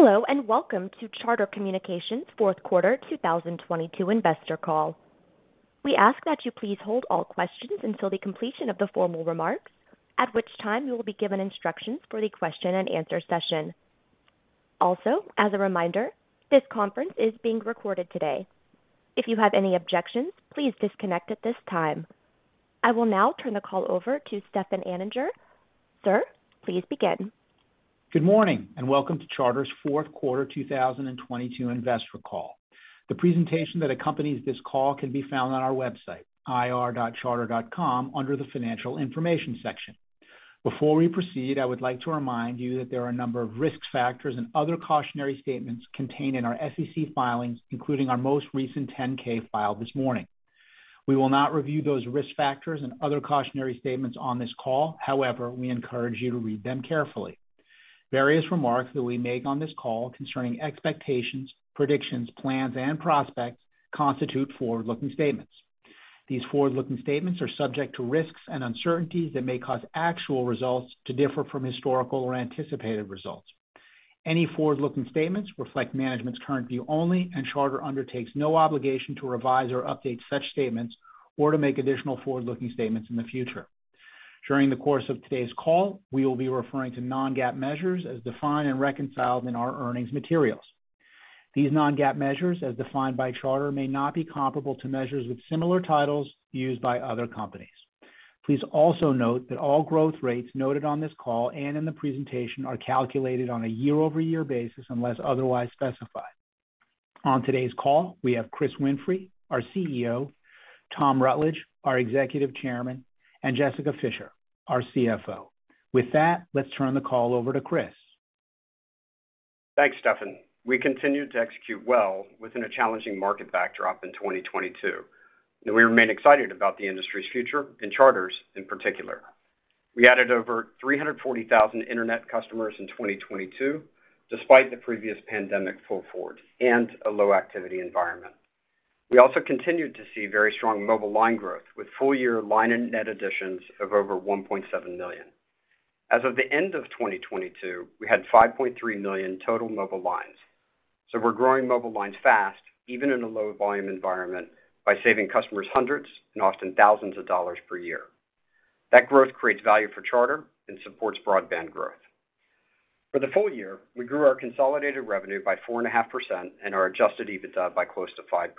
Hello, welcome to Charter Communications fourth quarter 2022 investor call. We ask that you please hold all questions until the completion of the formal remarks, at which time you will be given instructions for the question and answer session. As a reminder, this conference is being recorded today. If you have any objections, please disconnect at this time. I will now turn the call over to Stefan Anninger. Sir, please begin. Good morning, and welcome to Charter's fourth quarter 2022 investor call. The presentation that accompanies this call can be found on our website, ir.charter.com, under the Financial Information section. Before we proceed, I would like to remind you that there are a number of risk factors and other cautionary statements contained in our SEC filings, including our most recent 10-K filed this morning. We will not review those risk factors and other cautionary statements on this call. However, we encourage you to read them carefully. Various remarks that we make on this call concerning expectations, predictions, plans, and prospects constitute forward-looking statements. These forward-looking statements are subject to risks and uncertainties that may cause actual results to differ from historical or anticipated results. Any forward-looking statements reflect management's current view only. Charter undertakes no obligation to revise or update such statements or to make additional forward-looking statements in the future. During the course of today's call, we will be referring to Non-GAAP measures as defined and reconciled in our earnings materials. These Non-GAAP measures, as defined by Charter, may not be comparable to measures with similar titles used by other companies. Please also note that all growth rates noted on this call and in the presentation are calculated on a year-over-year basis unless otherwise specified. On today's call, we have Chris Winfrey, our Chief Executive Officer, Tom Rutledge, our Executive Chairman, and Jessica Fischer, our Chief Financial Officer. With that, let's turn the call over to Chris. Thanks, Steffen. We continued to execute well within a challenging market backdrop in 2022, and we remain excited about the industry's future and Charter's in particular. We added over 340,000 internet customers in 2022, despite the previous pandemic pull forward and a low activity environment. We also continued to see very strong mobile line growth with full year line and net additions of over 1.7 million. As of the end of 2022, we had 5.3 million total mobile lines. We're growing mobile lines fast, even in a low volume environment, by saving customers hundreds and often thousands of dollars per year. That growth creates value for Charter and supports broadband growth. For the full year, we grew our consolidated revenue by 4.5% and our Adjusted EBITDA by close to 5%.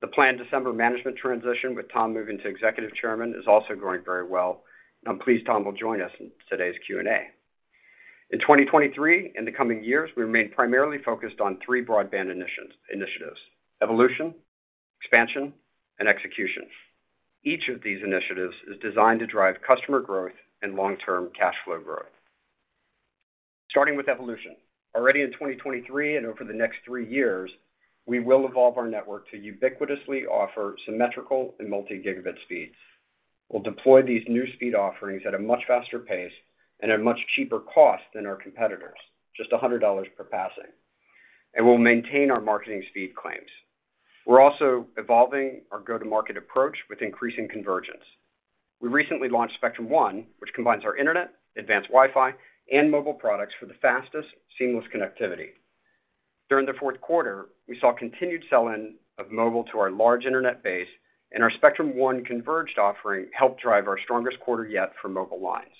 The planned December management transition with Tom moving to Executive Chairman is also going very well, and I'm pleased Tom will join us in today's Q&A. In 2023 and the coming years, we remain primarily focused on three broadband initiatives, evolution, expansion, and execution. Each of these initiatives is designed to drive customer growth and long-term cash flow growth. Starting with evolution. Already in 2023 and over the next three years, we will evolve our network to ubiquitously offer symmetrical and multi-gigabit speeds. We'll deploy these new speed offerings at a much faster pace and at a much cheaper cost than our competitors, just $100 per passing. We'll maintain our marketing speed claims. We're also evolving our go-to-market approach with increasing convergence. We recently launched Spectrum One, which combines our internet, advanced Wi-Fi, and mobile products for the fastest, seamless connectivity. During the fourth quarter, we saw continued sell-in of mobile to our large internet base, and our Spectrum One converged offering helped drive our strongest quarter yet for mobile lines.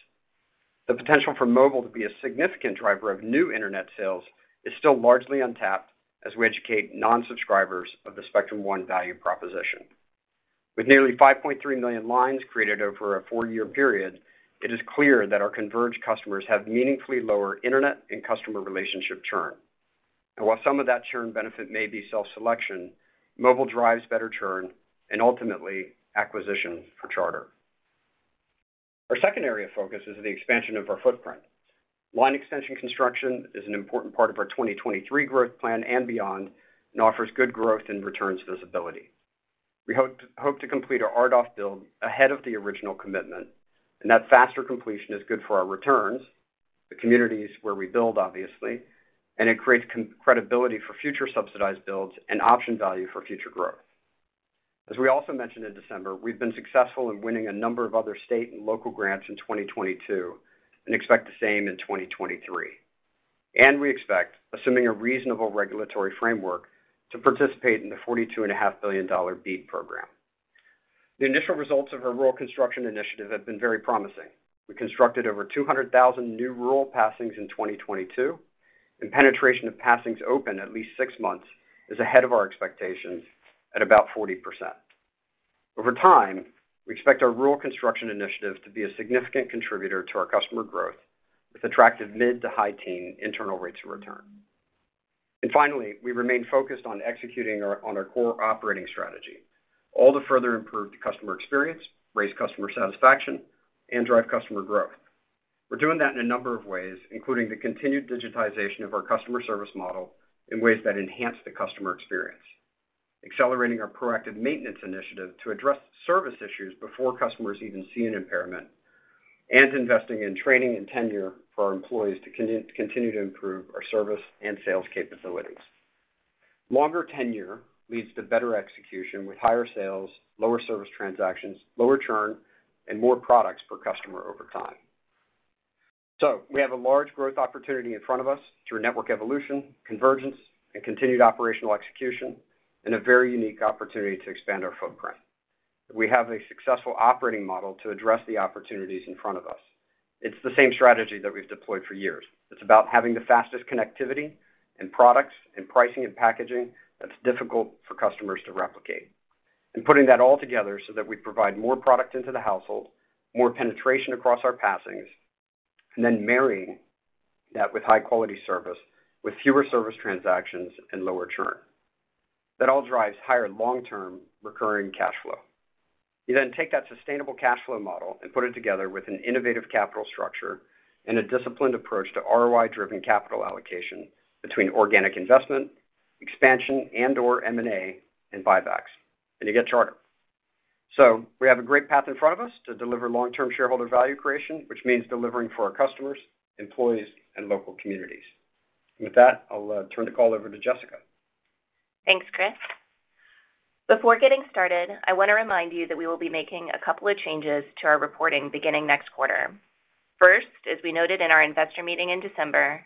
The potential for mobile to be a significant driver of new internet sales is still largely untapped as we educate non-subscribers of the Spectrum One value proposition. With nearly 5.3 million lines created over a four-year period, it is clear that our converged customers have meaningfully lower internet and customer relationship churn. While some of that churn benefit may be self-selection, mobile drives better churn and ultimately acquisition for Charter. Our second area of focus is the expansion of our footprint. Line extension construction is an important part of our 2023 growth plan and beyond and offers good growth and returns visibility. We hope to complete our RDOF build ahead of the original commitment, and that faster completion is good for our returns, the communities where we build, obviously, and it creates credibility for future subsidized builds and option value for future growth. As we also mentioned in December, we've been successful in winning a number of other state and local grants in 2022 and expect the same in 2023. We expect, assuming a reasonable regulatory framework, to participate in the $42.5 billion BEAD program. The initial results of our Rural Construction Initiative have been very promising. We constructed over 200,000 new rural passings in 2022, and penetration of passings open at least six months is ahead of our expectations at about 40%. Over time, we expect our Rural Construction Initiative to be a significant contributor to our customer growth with attractive mid to high teen internal rates of return. Finally, we remain focused on executing on our core operating strategy. All to further improve the customer experience, raise customer satisfaction, and drive customer growth. We're doing that in a number of ways, including the continued digitization of our customer service model in ways that enhance the customer experience, accelerating our proactive maintenance initiative to address service issues before customers even see an impairment, and investing in training and tenure for our employees to continue to improve our service and sales capabilities. Longer tenure leads to better execution with higher sales, lower service transactions, lower churn, and more products per customer over time. We have a large growth opportunity in front of us through network evolution, convergence, and continued operational execution, and a very unique opportunity to expand our footprint. We have a successful operating model to address the opportunities in front of us. It's the same strategy that we've deployed for years. It's about having the fastest connectivity and products and pricing and packaging that's difficult for customers to replicate, and putting that all together so that we provide more product into the household, more penetration across our passings, and then marrying that with high-quality service, with fewer service transactions and lower churn. That all drives higher long-term recurring cash flow. You then take that sustainable cash flow model and put it together with an innovative capital structure and a disciplined approach to ROI-driven capital allocation between organic investment, expansion and/or M&A and buybacks, and you get Charter. We have a great path in front of us to deliver long-term shareholder value creation, which means delivering for our customers, employees, and local communities. With that, I'll turn the call over to Jessica Fischer. Thanks, Chris. Before getting started, I want to remind you that we will be making a couple of changes to our reporting beginning next quarter. First, as we noted in our investor meeting in December,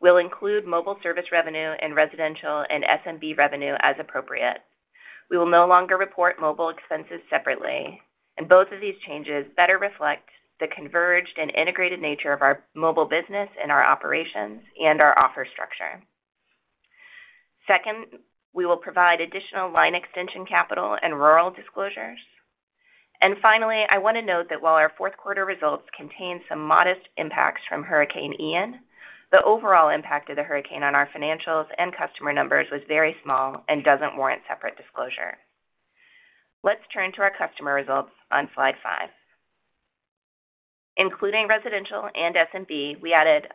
we'll include mobile service revenue and residential and SMB revenue as appropriate. We will no longer report mobile expenses separately, and both of these changes better reflect the converged and integrated nature of our mobile business and our operations and our offer structure. Second, we will provide additional line extension capital and rural disclosures. Finally, I want to note that while our fourth quarter results contain some modest impacts from Hurricane Ian, the overall impact of the hurricane on our financials and customer numbers was very small and doesn't warrant separate disclosure. Let's turn to our customer results on slide five. Including residential and SMB, we added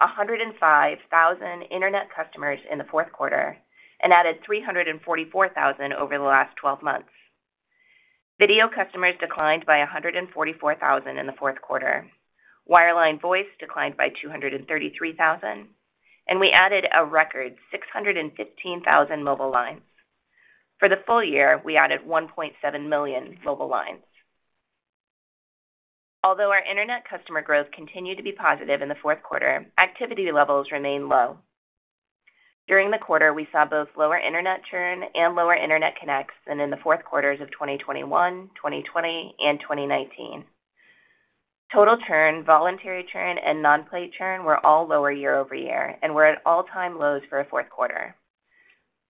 105,000 internet customers in the fourth quarter and added 344,000 customers over the last 12 months. Video customers declined by 144,000 customers in the fourth quarter. Wireline voice declined by 233,000 customers, and we added a record 615,000 mobile lines. For the full year, we added 1.7 million mobile lines. Although our internet customer growth continued to be positive in the fourth quarter, activity levels remain low. During the quarter, we saw both lower internet churn and lower internet connects than in the fourth quarters of 2021, 2020, and 2019. Total churn, voluntary churn, and non-pay churn were all lower year-over-year and were at all-time lows for a fourth quarter.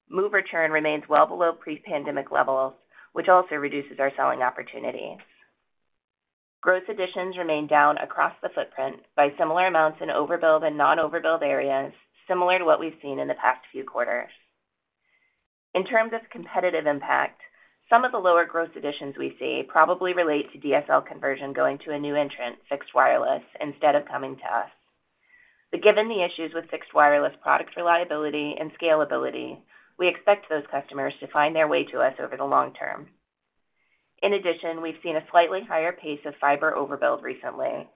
Mover churn remains well below pre-pandemic levels, which also reduces our selling opportunities. Gross additions remain down across the footprint by similar amounts in overbuild and non-overbuild areas, similar to what we've seen in the past few quarters. In terms of competitive impact, some of the lower gross additions we see probably relate to DSL conversion going to a new entrant, fixed wireless, instead of coming to us. Given the issues with fixed wireless product reliability and scalability, we expect those customers to find their way to us over the long term. In addition, we've seen a slightly higher pace of fiber overbuild recently.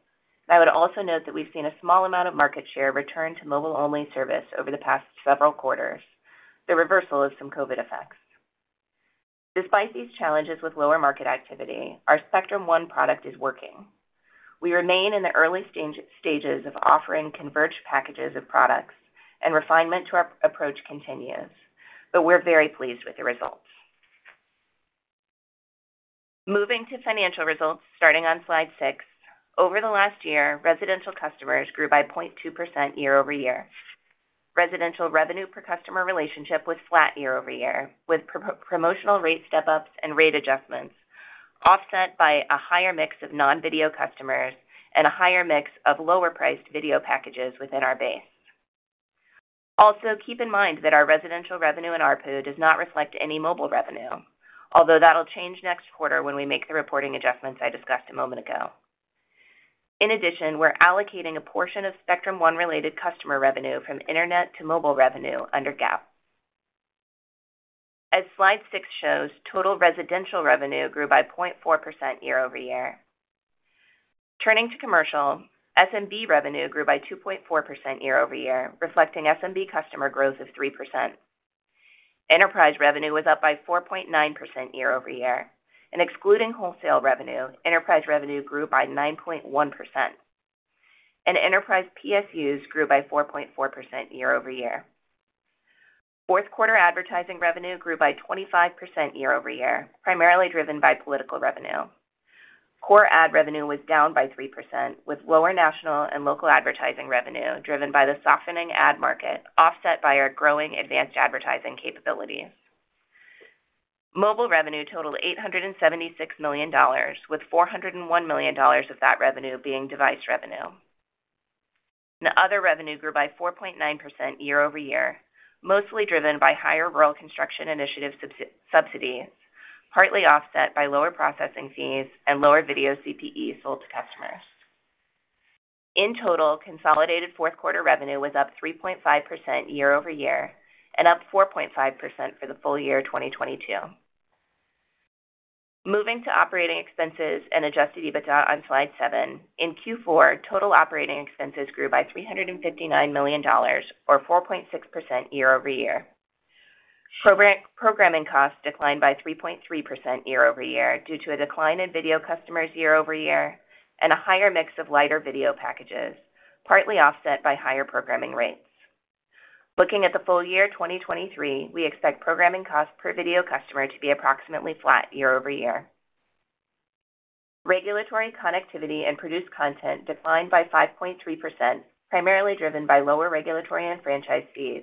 I would also note that we've seen a small amount of market share return to mobile-only service over the past several quarters, the reversal of some COVID effects. Despite these challenges with lower market activity, our Spectrum One product is working. We remain in the early stages of offering converged packages of products, refinement to our approach continues, we're very pleased with the results. Moving to financial results, starting on slide six. Over the last year, residential customers grew by 0.2% year-over-year. Residential revenue per customer relationship was flat year-over-year, with promotional rate step-ups and rate adjustments, offset by a higher mix of non-video customers and a higher mix of lower-priced video packages within our base. Also, keep in mind that our residential revenue and ARPU does not reflect any mobile revenue, although that'll change next quarter when we make the reporting adjustments I discussed a moment ago. In addition, we're allocating a portion of Spectrum One-related customer revenue from internet to mobile revenue under GAAP. As slide 6 shows, total residential revenue grew by 0.4% year-over-year. Turning to commercial, SMB revenue grew by 2.4% year-over-year, reflecting SMB customer growth of 3%. Enterprise revenue was up by 4.9% year-over-year, excluding wholesale revenue, enterprise revenue grew by 9.1%. Enterprise PSUs grew by 4.4% year-over-year. Fourth quarter advertising revenue grew by 25% year-over-year, primarily driven by political revenue. Core ad revenue was down by 3%, with lower national and local advertising revenue driven by the softening ad market, offset by our growing advanced advertising capabilities. Mobile revenue totaled $876 million, with $401 million of that revenue being device revenue. Other revenue grew by 4.9% year-over-year, mostly driven by higher Rural Construction Initiative subsidies, partly offset by lower processing fees and lower video CPE sold to customers. In total, consolidated fourth quarter revenue was up 3.5% year-over-year and up 4.5% for the full year of 2022. Moving to operating expenses and Adjusted EBITDA on slide seven. In Q4, total operating expenses grew by $359 million, or 4.6% year-over-year. Programming costs declined by 3.3% year-over-year due to a decline in video customers year-over-year and a higher mix of lighter video packages, partly offset by higher programming rates. Looking at the full year 2023, we expect programming costs per video customer to be approximately flat year-over-year. Regulatory connectivity and produced content declined by 5.3%, primarily driven by lower regulatory and franchise fees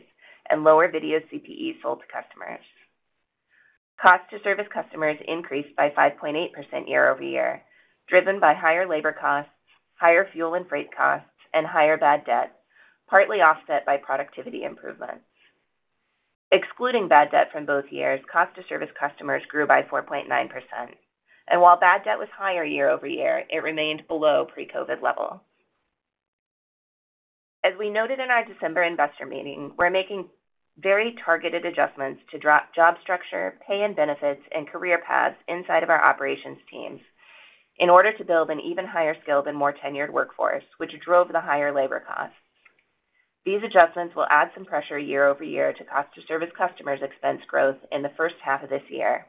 and lower video CPE sold to customers. Cost to service customers increased by 5.8% year-over-year, driven by higher labor costs, higher fuel and freight costs, and higher bad debt, partly offset by productivity improvements. Excluding bad debt from both years, cost to service customers grew by 4.9%, while bad debt was higher year-over-year, it remained below pre-COVID level. As we noted in our December investor meeting, we're making very targeted adjustments to job structure, pay and benefits, and career paths inside of our operations teams in order to build an even higher skilled and more tenured workforce, which drove the higher labor costs. These adjustments will add some pressure year-over-year to cost to service customers expense growth in the first half of this year.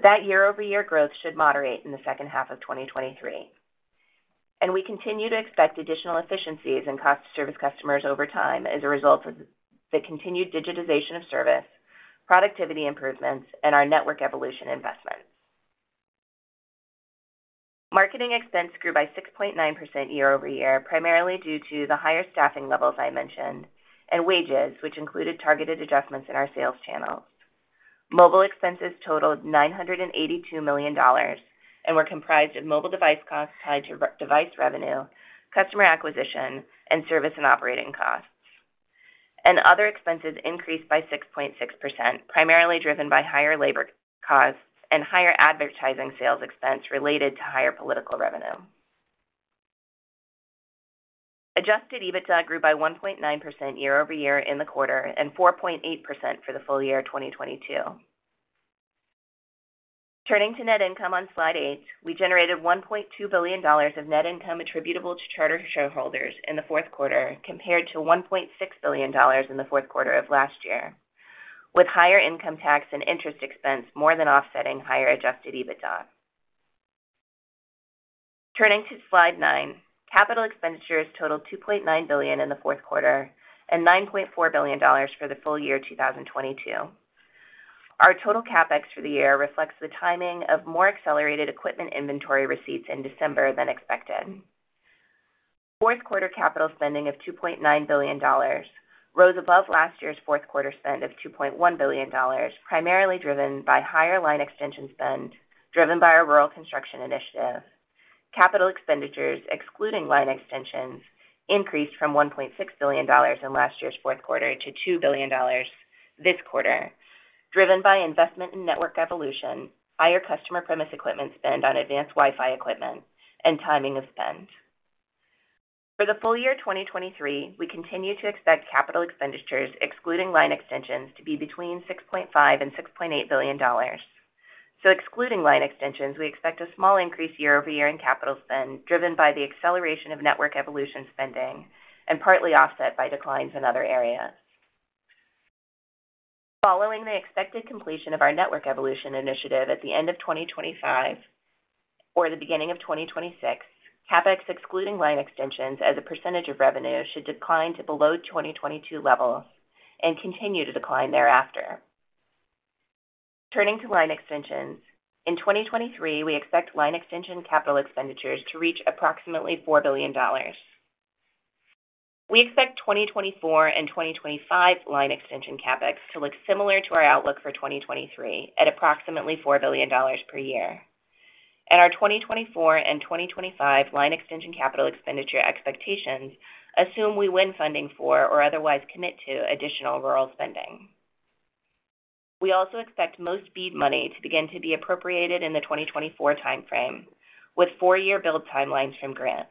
That year-over-year growth should moderate in the second half of 2023. We continue to expect additional efficiencies in cost to service customers over time as a result of the continued digitization of service, productivity improvements, and our network evolution investments. Marketing expense grew by 6.9% year-over-year, primarily due to the higher staffing levels I mentioned and wages, which included targeted adjustments in our sales channels. Mobile expenses totaled $982 million and were comprised of mobile device costs tied to device revenue, customer acquisition, and service and operating costs. Other expenses increased by 6.6%, primarily driven by higher labor costs and higher advertising sales expense related to higher political revenue. Adjusted EBITDA grew by 1.9% year-over-year in the quarter and 4.8% for the full year 2022. Turning to net income on slide 8, we generated $1.2 billion of net income attributable to Charter shareholders in the fourth quarter, compared to $1.6 billion in the fourth quarter of last year, with higher income tax and interest expense more than offsetting higher Adjusted EBITDA. Turning to slide 9, capital expenditures totaled $2.9 billion in the fourth quarter and $9.4 billion for the full year 2022. Our total CapEx for the year reflects the timing of more accelerated equipment inventory receipts in December than expected. Fourth quarter capital spending of $2.9 billion rose above last year's fourth quarter spend of $2.1 billion, primarily driven by higher line extension spend, driven by our Rural Construction Initiative. Capital expenditures, excluding line extensions, increased from $1.6 billion in last year's fourth quarter to $2 billion this quarter, driven by investment in network evolution, higher customer premise equipment spend on advanced Wi-Fi equipment, and timing of spend. For the full year 2023, we continue to expect capital expenditures, excluding line extensions, to be between $6.5 billion-$6.8 billion. Excluding line extensions, we expect a small increase year-over-year in capital spend, driven by the acceleration of network evolution spending and partly offset by declines in other areas. Following the expected completion of our network evolution initiative at the end of 2025 or the beginning of 2026, CapEx, excluding line extensions as a percentage of revenue, should decline to below 2022 levels and continue to decline thereafter. Turning to line extensions. In 2023, we expect line extension capital expenditures to reach approximately $4 billion. We expect 2024 and 2025 line extension CapEx to look similar to our outlook for 2023 at approximately $4 billion per year. Our 2024 and 2025 line extension capital expenditure expectations assume we win funding for or otherwise commit to additional rural spending. We also expect most BEAD money to begin to be appropriated in the 2024 timeframe, with four-year build timelines from grants.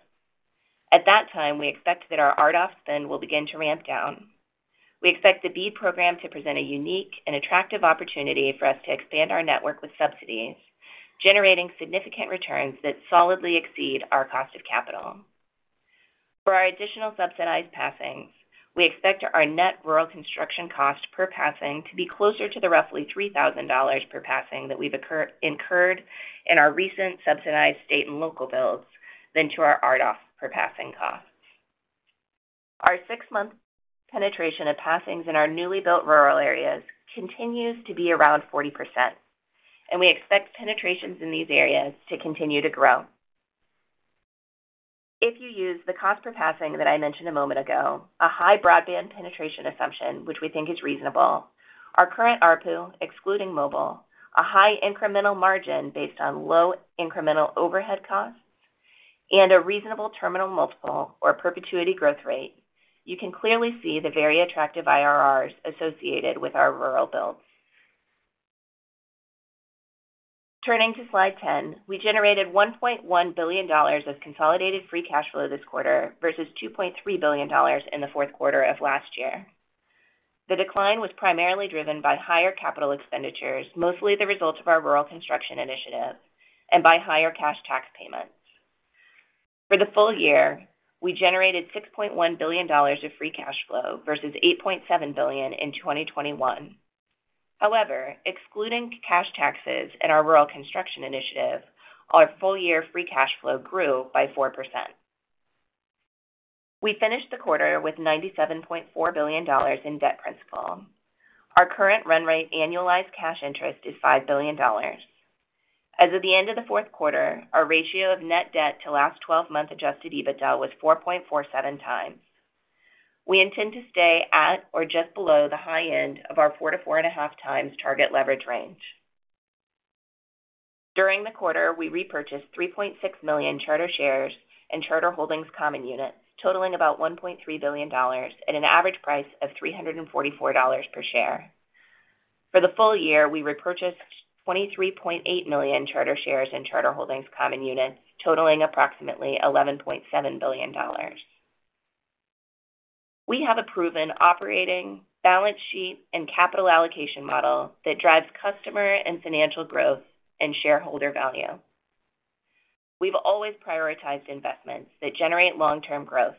At that time, we expect that our RDOF spend will begin to ramp down. We expect the BEAD program to present a unique and attractive opportunity for us to expand our network with subsidies, generating significant returns that solidly exceed our cost of capital. For our additional subsidized passings, we expect our net rural construction cost per passing to be closer to the roughly $3,000 per passing that we've incurred in our recent subsidized state and local builds than to our RDOF per passing costs. Our six-month penetration of passings in our newly built rural areas continues to be around 40%. We expect penetrations in these areas to continue to grow. If you use the cost per passing that I mentioned a moment ago, a high broadband penetration assumption, which we think is reasonable, our current ARPU, excluding mobile, a high incremental margin based on low incremental overhead costs, and a reasonable terminal multiple or perpetuity growth rate, you can clearly see the very attractive IRRs associated with our rural builds. Turning to slide 10. We generated $1.1 billion of consolidated free cash flow this quarter versus $2.3 billion in the fourth quarter of last year. The decline was primarily driven by higher capital expenditures, mostly the result of our Rural Construction Initiative and by higher cash tax payments. For the full year, we generated $6.1 billion of free cash flow versus $8.7 billion in 2021. Excluding cash taxes and our Rural Construction Initiative, our full year free cash flow grew by 4%. We finished the quarter with $97.4 billion in debt principal. Our current run rate annualized cash interest is $5 billion. As of the end of the fourth quarter, our ratio of net debt to last twelve-month Adjusted EBITDA was 4.47x. We intend to stay at or just below the high end of our 4x-4.5x target leverage range. During the quarter, we repurchased 3.6 million Charter shares and Charter Holdings common units totaling about $1.3 billion at an average price of $344 per share. For the full year, we repurchased 23.8 million Charter shares and Charter Holdings common units totaling approximately $11.7 billion. We have a proven operating balance sheet and capital allocation model that drives customer and financial growth and shareholder value. We've always prioritized investments that generate long-term growth,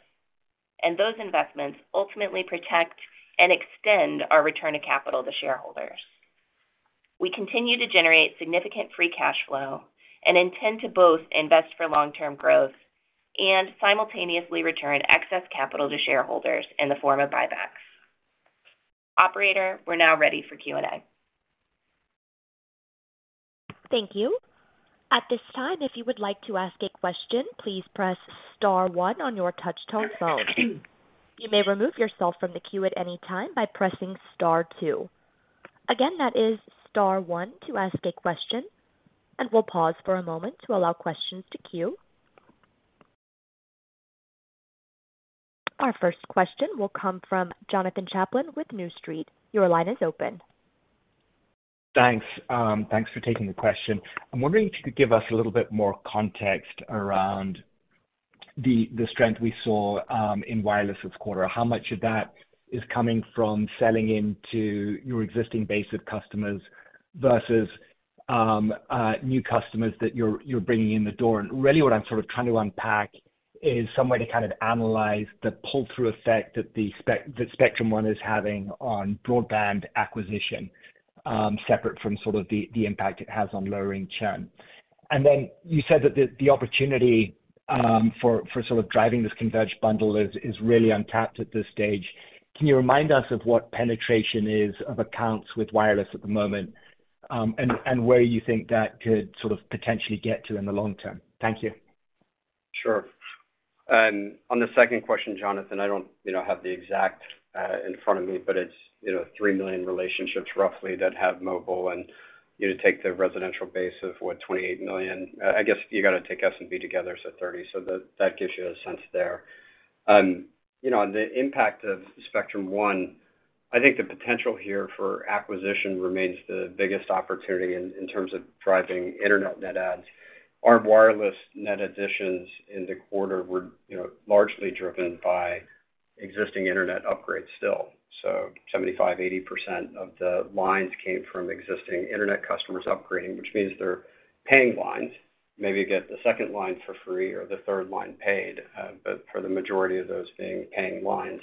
and those investments ultimately protect and extend our return to capital to shareholders. We continue to generate significant free cash flow and intend to both invest for long-term growth and simultaneously return excess capital to shareholders in the form of buybacks. Operator, we're now ready for Q&A. Thank you. At this time, if you would like to ask a question, please press star one on your touch-tone phone. You may remove yourself from the queue at any time by pressing star two. Again, that is star one to ask a question. We'll pause for a moment to allow questions to queue. Our first question will come from Jonathan Chaplin with New Street. Your line is open. Thanks. Thanks for taking the question. I'm wondering if you could give us a little bit more context around the strength we saw in wireless this quarter. How much of that is coming from selling into your existing base of customers versus new customers that you're bringing in the door? Really what I'm sort of trying to unpack is some way to kind of analyze the pull-through effect that Spectrum One is having on broadband acquisition, separate from sort of the impact it has on lowering churn. You said that the opportunity for sort of driving this converged bundle is really untapped at this stage. Can you remind us of what penetration is of accounts with wireless at the moment, and where you think that could sort of potentially get to in the long term? Thank you. Sure. On the second question, Jonathan, I don't, you know, have the exact in front of me, but it's, you know, 3 million relationships roughly that have mobile, and you take the residential base of 28 million. I guess you got to take S&P together, so 30 million. That gives you a sense there. You know, on the impact of Spectrum One, I think the potential here for acquisition remains the biggest opportunity in terms of driving internet net adds. Our wireless net additions in the quarter were, you know, largely driven by existing internet upgrades still. 75%-80% of the lines came from existing internet customers upgrading, which means they're paying lines. Maybe you get the second line for free or the third line paid, but for the majority of those being paying lines.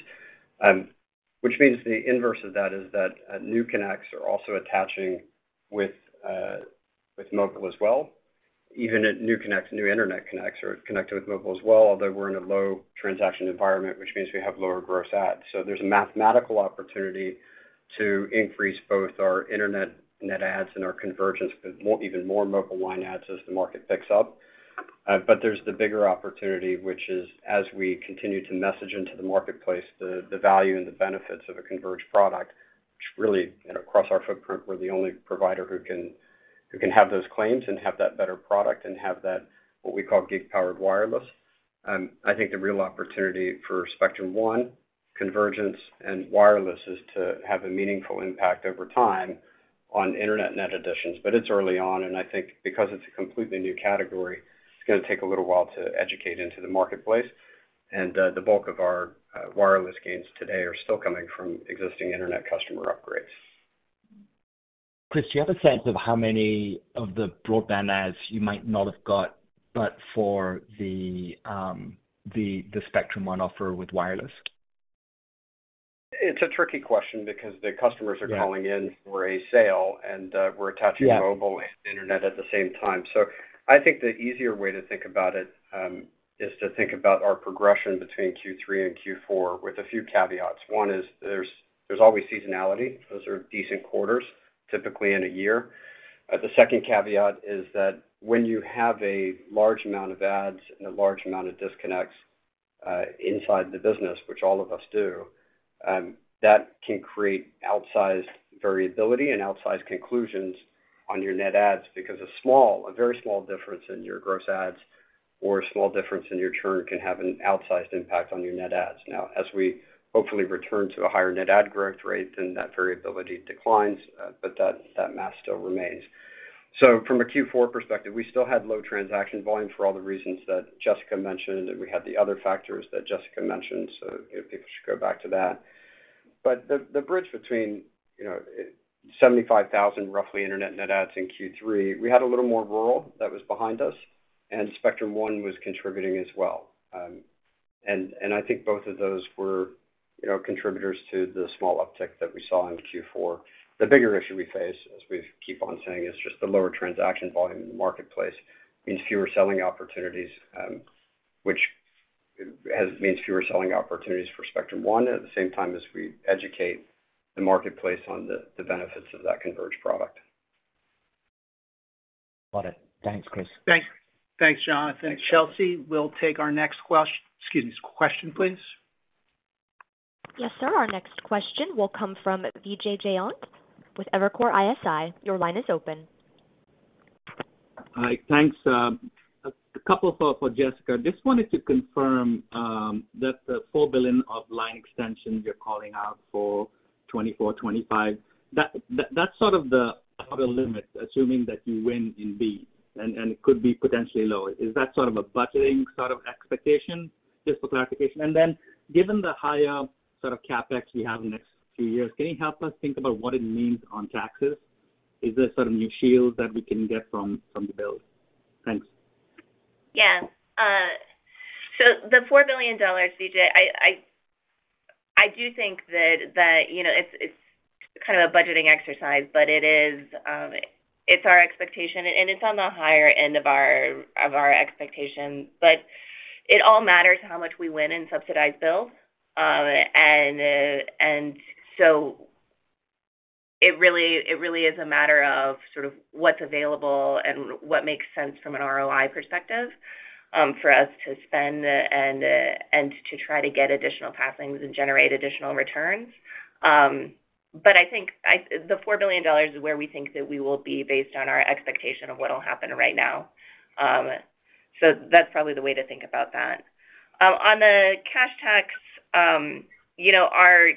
Which means the inverse of that is that new connects are also attaching with mobile as well. Even at new connects, new internet connects are connected with mobile as well, although we're in a low transaction environment, which means we have lower gross adds. There's a mathematical opportunity to increase both our internet net adds and our convergence with even more mobile line adds as the market picks up. There's the bigger opportunity, which is as we continue to message into the marketplace the value and the benefits of a converged product, which really, you know, across our footprint, we're the only provider who can have those claims and have that better product and have that, what we call gig-powered wireless. I think the real opportunity for Spectrum One convergence and wireless is to have a meaningful impact over time on internet net additions. It's early on, and I think because it's a completely new category, it's gonna take a little while to educate into the marketplace. The bulk of our wireless gains today are still coming from existing internet customer upgrades. Chris, do you have a sense of how many of the broadband adds you might not have got, but for the Spectrum One offer with wireless? It's a tricky question because the customers are calling in for a sale, and we're attaching mobile and internet at the same time. I think the easier way to think about it, is to think about our progression between Q3 and Q4 with a few caveats. One is there's always seasonality. Those are decent quarters, typically in a year. The second caveat is that when you have a large amount of adds and a large amount of disconnects, inside the business, which all of us do, that can create outsized variability and outsized conclusions on your net adds because a small, a very small difference in your gross adds or a small difference in your churn can have an outsized impact on your net adds. As we hopefully return to a higher net add growth rate, then that variability declines, but that math still remains. From a Q4 perspective, we still had low transaction volume for all the reasons that Jessica mentioned, and we had the other factors that Jessica mentioned. People should go back to that. The bridge between, you know, 75,000 roughly internet net adds in Q3, we had a little more rural that was behind us, and Spectrum One was contributing as well. And I think both of those were, you know, contributors to the small uptick that we saw in Q4. The bigger issue we face, as we keep on saying, is just the lower transaction volume in the marketplace means fewer selling opportunities, means fewer selling opportunities for Spectrum One at the same time as we educate the marketplace on the benefits of that converged product. Got it. Thanks, Chris. Thanks. Thanks, Jonathan. Chelsea, we'll take our next excuse me, question, please. Yes, sir. Our next question will come from Vijay Jayant with Evercore ISI. Your line is open. Hi. Thanks. A couple for Jessica. Just wanted to confirm that the $4 billion of line extensions you're calling out for 2024, 2025, that's sort of the upper limit, assuming that you win in B, and it could be potentially lower. Is that sort of a budgeting sort of expectation, just for clarification? Given the higher sort of CapEx you have in the next few years, can you help us think about what it means on taxes? Is there sort of new shields that we can get from the build? Thanks. The $4 billion, Vijay, I do think that, you know, it's kind of a budgeting exercise, but it is our expectation, and it's on the higher end of our expectation. It all matters how much we win in subsidized build. It really is a matter of sort of what's available and what makes sense from an ROI perspective for us to spend and to try to get additional passings and generate additional returns. I think the $4 billion is where we think that we will be based on our expectation of what'll happen right now. That's probably the way to think about that. On the cash tax, you know, our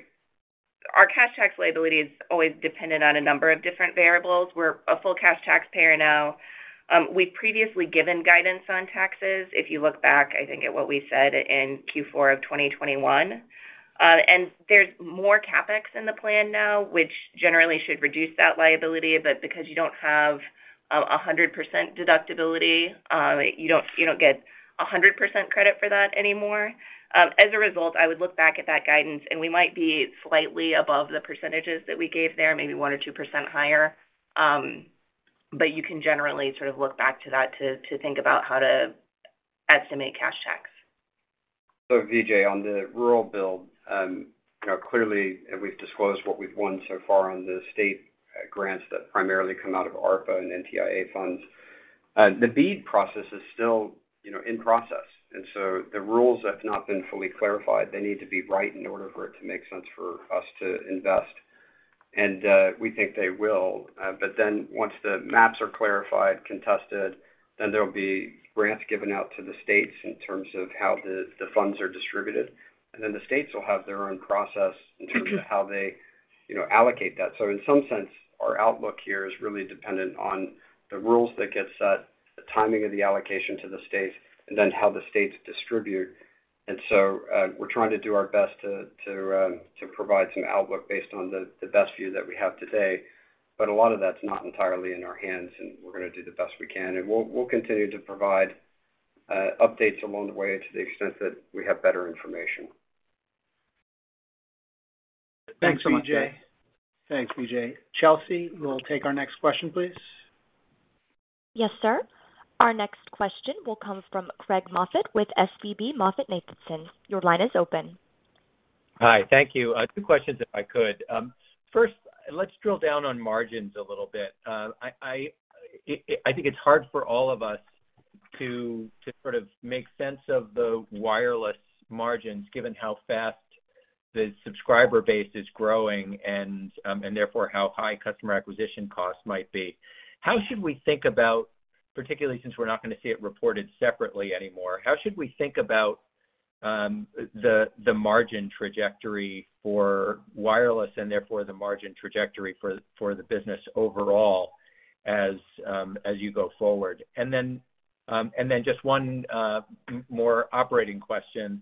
cash tax liability is always dependent on a number of different variables. We're a full cash taxpayer now. We've previously given guidance on taxes, if you look back, I think, at what we said in Q4 of 2021. There's more CapEx in the plan now, which generally should reduce that liability. Because you don't have 100% deductibility, you don't get 100% credit for that anymore. As a result, I would look back at that guidance, and we might be slightly above the percentages that we gave there, maybe 1% or 2% higher. You can generally sort of look back to that to think about how to estimate cash tax. Vijay, on the rural build, you know, clearly, we've disclosed what we've won so far on the state grants that primarily come out of ARPA and NTIA funds. The BEAD process is still, you know, in process, and so the rules have not been fully clarified. They need to be right in order for it to make sense for us to invest, and we think they will. Once the maps are clarified, contested, then there'll be grants given out to the states in terms of how the funds are distributed. The states will have their own process in terms of how they, you know, allocate that. In some sense, our outlook here is really dependent on the rules that get set, the timing of the allocation to the states, and then how the states distribute. We're trying to do our best to provide some outlook based on the best view that we have today. A lot of that's not entirely in our hands, and we're gonna do the best we can. We'll continue to provide updates along the way to the extent that we have better information. Thanks so much, guys. Thanks, Vijay. Chelsea, we'll take our next question, please. Yes, sir. Our next question will come from Craig Moffett with SVB MoffettNathanson. Your line is open. Hi. Thank you. Two questions if I could. First, let's drill down on margins a little bit. I think it's hard for all of us to sort of make sense of the wireless margins, given how fast the subscriber base is growing and therefore how high customer acquisition costs might be. How should we think about, particularly since we're not gonna see it reported separately anymore, how should we think about the margin trajectory for wireless and therefore the margin trajectory for the business overall as you go forward? Then just one more operating question.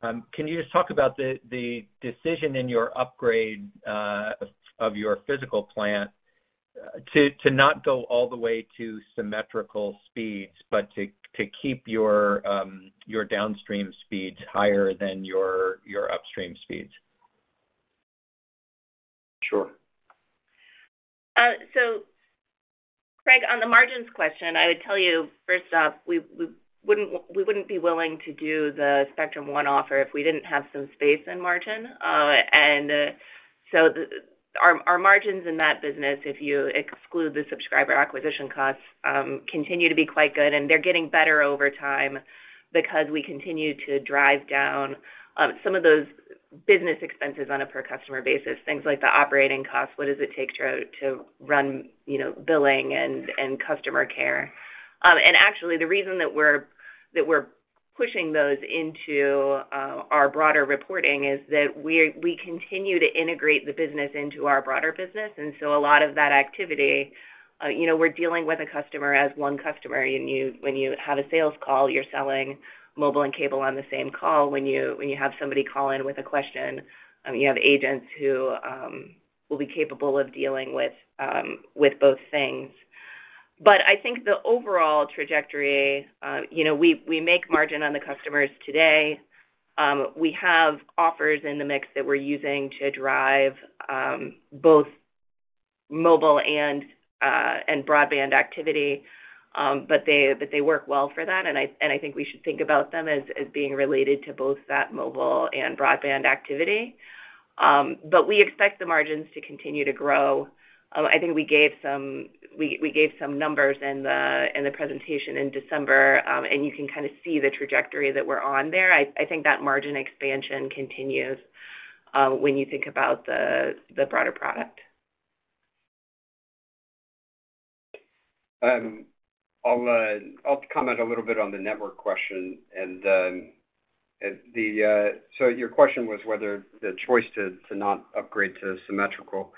Can you just talk about the decision in your upgrade of your physical plant to not go all the way to symmetrical speeds, but to keep your downstream speeds higher than your upstream speeds? Sure. Craig, on the margins question, I would tell you, first off, we wouldn't be willing to do the Spectrum One offer if we didn't have some space in margin. Our margins in that business, if you exclude the subscriber acquisition costs, continue to be quite good, and they're getting better over time because we continue to drive down some of those business expenses on a per customer basis, things like the operating costs, what does it take to run, you know, billing and customer care. Actually the reason that we're pushing those into our broader reporting is that we continue to integrate the business into our broader business. A lot of that activity, you know, we're dealing with a customer as one customer, when you have a sales call, you're selling mobile and cable on the same call. When you have somebody call in with a question, you have agents who will be capable of dealing with both things. I think the overall trajectory, you know, we make margin on the customers today. We have offers in the mix that we're using to drive both mobile and broadband activity, but they work well for that. I think we should think about them as being related to both that mobile and broadband activity. We expect the margins to continue to grow. I think we gave some numbers in the presentation in December, and you can kind of see the trajectory that we're on there. I think that margin expansion continues when you think about the broader product. I'll comment a little bit on the network question and then the. Your question was whether the choice to not upgrade to symmetrical.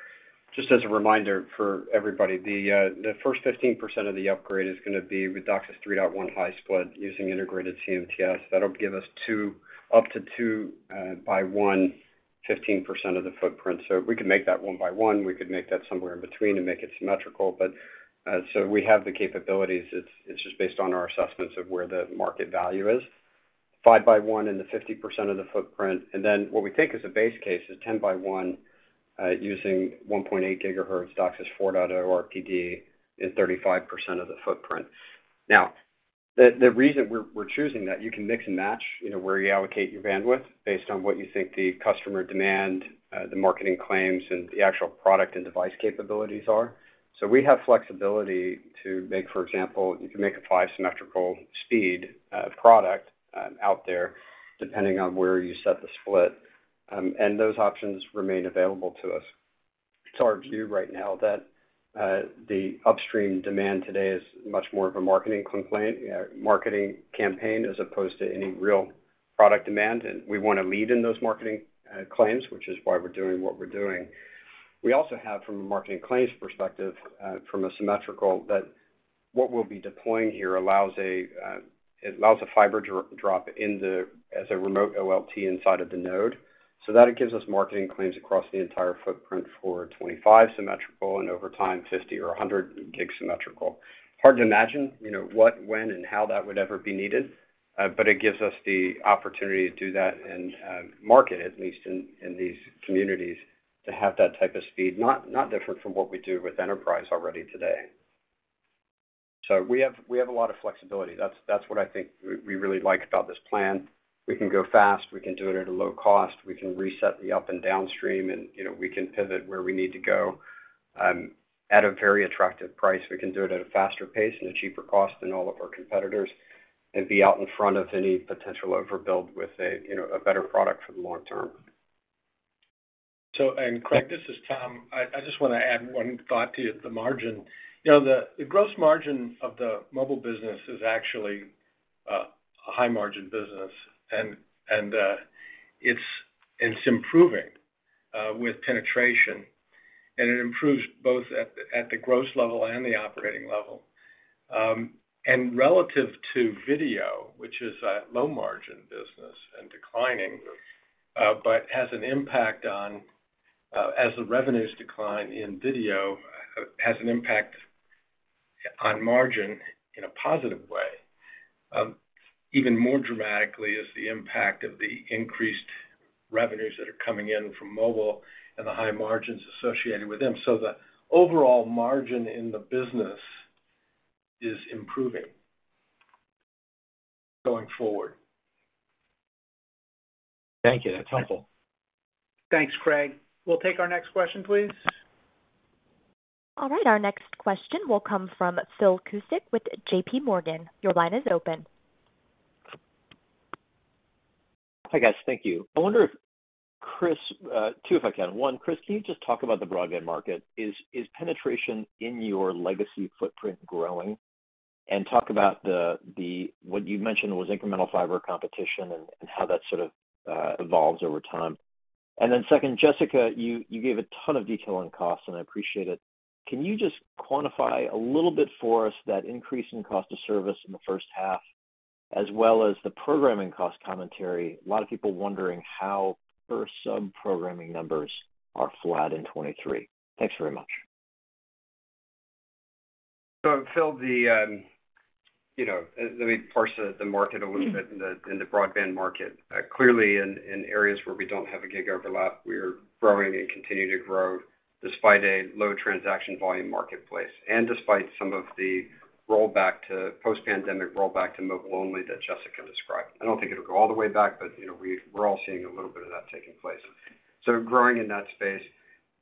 Just as a reminder for everybody, the first 15% of the upgrade is gonna be with DOCSIS 3.1 high-split using integrated CMTS. That'll give us up to 2 by 1, 15% of the footprint. We could make that 1 by 1, we could make that somewhere in between and make it symmetrical. We have the capabilities. It's just based on our assessments of where the market value is. 5 by 1 in the 50% of the footprint. What we think is a base case is 10 by 1, using 1.8 gigahertz DOCSIS 4.0 RPD in 35% of the footprint. The reason we're choosing that, you can mix and match, you know, where you allocate your bandwidth based on what you think the customer demand, the marketing claims, and the actual product and device capabilities are. We have flexibility to make, for example, you can make a 5 symmetrical speed product out there depending on where you set the split. Those options remain available to us. It's our view right now that the upstream demand today is much more of a marketing campaign as opposed to any real product demand. We wanna lead in those marketing claims, which is why we're doing what we're doing. We also have, from a marketing claims perspective, from a symmetrical, that what we'll be deploying here allows a, it allows a fiber drop in the, as a remote OLT inside of the node. That gives us marketing claims across the entire footprint for 25 symmetrical and over time, 50 gig or 100 gig symmetrical. Hard to imagine, you know, what, when, and how that would ever be needed, but it gives us the opportunity to do that and market, at least in these communities, to have that type of speed, not different from what we do with enterprise already today. We have a lot of flexibility. That's what I think we really like about this plan. We can go fast, we can do it at a low cost, we can reset the up and downstream and, you know, we can pivot where we need to go, at a very attractive price. We can do it at a faster pace and a cheaper cost than all of our competitors and be out in front of any potential overbuild with a, you know, a better product for the long term. Craig, this is Tom. I just wanna add 1 thought to the margin. You know, the gross margin of the mobile business is actually a high margin business, and it's improving with penetration. It improves both at the gross level and the operating level. Relative to video, which is a low margin business and declining, but has an impact on, as the revenues decline in video, has an impact on margin in a positive way. Even more dramatically is the impact of the increased revenues that are coming in from mobile and the high margins associated with them. The overall margin in the business is improving going forward. Thank you. That's helpful. Thanks, Craig. We'll take our next question, please. All right, our next question will come from Philip Cusick with JPMorgan. Your line is open. Hi, guys. Thank you. I wonder if Chris, two, if I can. one, Chris, can you just talk about the broadband market? Is penetration in your legacy footprint growing? Talk about the what you mentioned was incremental fiber competition and how that sort of evolves over time. Then second, Jessica, you gave a ton of detail on costs, and I appreciate it. Can you just quantify a little bit for us that increase in cost of service in the first half as well as the programming cost commentary? A lot of people wondering how per sub programming numbers are flat in 2023. Thanks very much. Phil, you know, let me parse the market a little bit in the broadband market. Clearly in areas where we don't have a gig overlap, we're growing and continue to grow despite a low transaction volume marketplace and despite some of the rollback to post-pandemic rollback to mobile only that Jessica described. I don't think it'll go all the way back, but, you know, we're all seeing a little bit of that taking place. Growing in that space.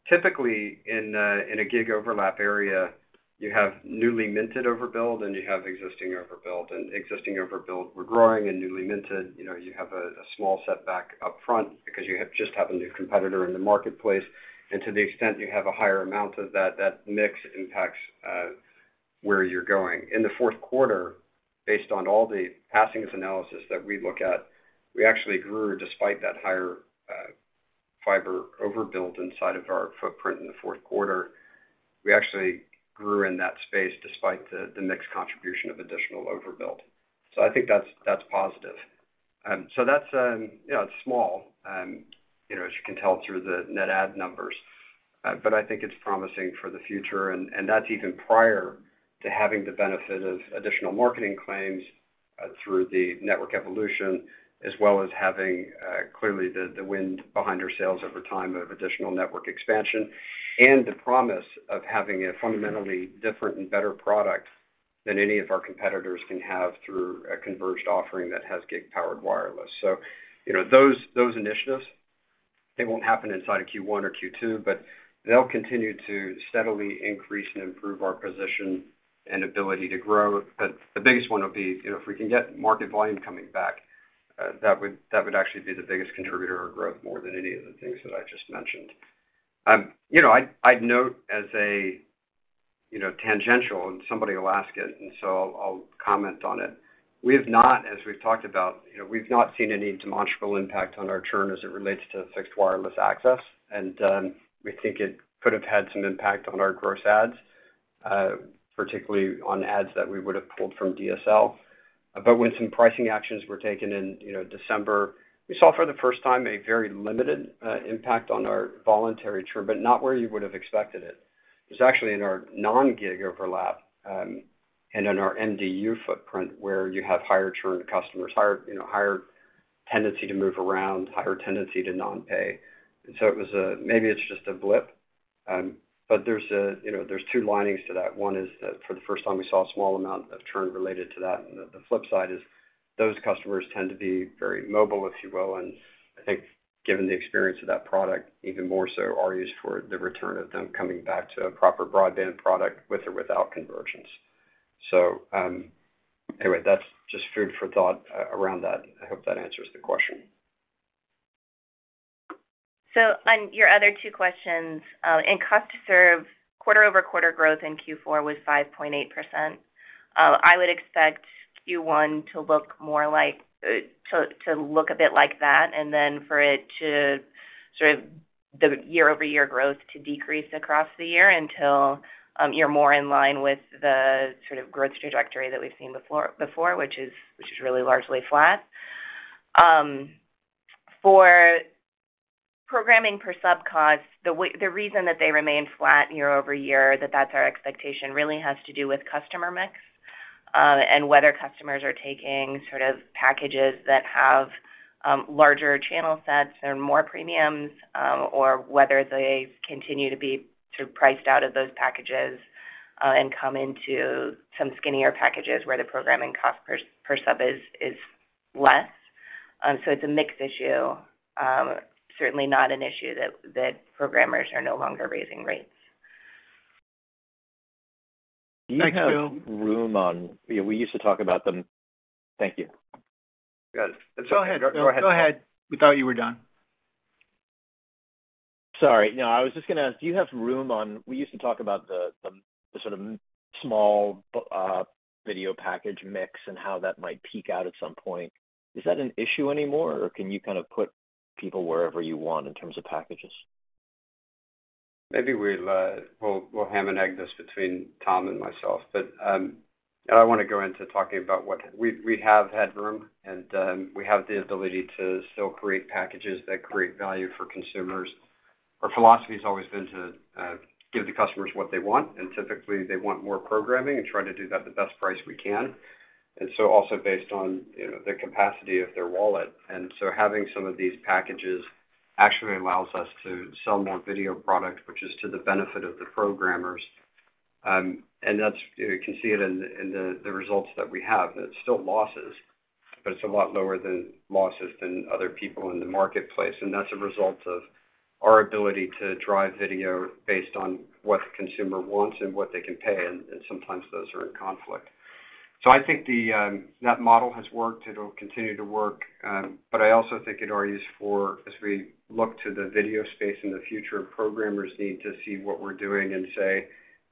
Typically, in a gig overlap area, you have newly minted overbuild, and you have existing overbuild. Existing overbuild, we're growing, and newly minted, you know, you have a small setback upfront because you just have a new competitor in the marketplace. To the extent you have a higher amount of that mix impacts where you're going. In the fourth quarter, based on all the passings analysis that we look at, we actually grew despite that higher fiber overbuild inside of our footprint in the fourth quarter. We actually grew in that space despite the mixed contribution of additional overbuild. I think that's positive. That's, you know, it's small, you know, as you can tell through the net add numbers. I think it's promising for the future, and that's even prior to having the benefit of additional marketing claims, through the network evolution, as well as having, clearly the wind behind our sales over time of additional network expansion and the promise of having a fundamentally different and better product than any of our competitors can have through a converged offering that has gig powered wireless. You know, those initiatives, they won't happen inside of Q1 or Q2, but they'll continue to steadily increase and improve our position and ability to grow. The biggest one will be, you know, if we can get market volume coming back, that would actually be the biggest contributor of growth more than any of the things that I just mentioned. You know, I'd note as a, you know, tangential, and somebody will ask it, and so I'll comment on it. We have not, as we've talked about, you know, we've not seen any demonstrable impact on our churn as it relates to fixed wireless access, and we think it could have had some impact on our gross adds, particularly on adds that we would have pulled from DSL. When some pricing actions were taken in, you know, December, we saw for the first time a very limited impact on our voluntary churn, but not where you would have expected it. It was actually in our non-gig overlap, and in our MDU footprint where you have higher churn customers, higher, you know, higher tendency to move around, higher tendency to non-pay. It was a maybe it's just a blip. There's a, you know, there's two linings to that. One is that for the first time, we saw a small amount of churn related to that. The, the flip side is those customers tend to be very mobile, if you will. I think given the experience of that product, even more so argues for the return of them coming back to a proper broadband product with or without conversions. Anyway, that's just food for thought around that. I hope that answers the question. On your other two questions, in cost to serve, quarter-over-quarter growth in Q4 was 5.8%. I would expect Q1 to look a bit like that for it to sort of the year-over-year growth to decrease across the year until you're more in line with the sort of growth trajectory that we've seen before, which is really largely flat. For programming per sub cost, the reason that they remain flat year-over-year, that that's our expectation really has to do with customer mix, and whether customers are taking sort of packages that have larger channel sets or more premiums, or whether they continue to be sort of priced out of those packages and come into some skinnier packages where the programming cost per sub is less. It's a mix issue, certainly not an issue that programmers are no longer raising rates. Thanks, Jill. We used to talk about them. Thank you. Got it. Go ahead. Go ahead. Go ahead. We thought you were done. Sorry. No, I was just gonna ask, do you have room? We used to talk about the sort of small video package mix and how that might peak out at some point. Is that an issue anymore, or can you kind of put people wherever you want in terms of packages? Maybe we'll ham and egg this between Tom and myself. I don't wanna go into talking about what. We have had room, and we have the ability to still create packages that create value for consumers. Our philosophy has always been to give the customers what they want, and typically they want more programming and try to do that at the best price we can. Also based on, you know, the capacity of their wallet. Having some of these packages actually allows us to sell more video product, which is to the benefit of the programmers. That's you can see it in the results that we have. It's still losses, but it's a lot lower than losses than other people in the marketplace. That's a result of our ability to drive video based on what the consumer wants and what they can pay, and sometimes those are in conflict. I think the that model has worked. It'll continue to work. I also think it argues for as we look to the video space in the future, programmers need to see what we're doing and say,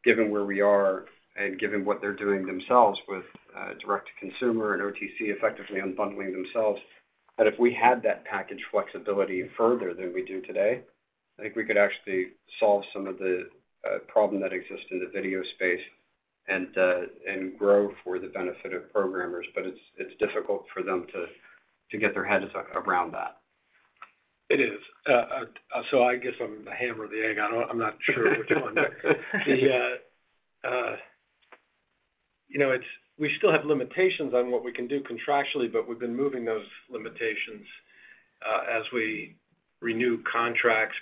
given where we are and given what they're doing themselves with Direct-to-Consumer and DTC effectively unbundling themselves, that if we had that package flexibility further than we do today, I think we could actually solve some of the problem that exists in the video space and grow for the benefit of programmers. It's difficult for them to get their heads around that. It is. I guess I'm the ham or the egg. I'm not sure which one. You know, we still have limitations on what we can do contractually, but we've been moving those limitations, as we renew contracts.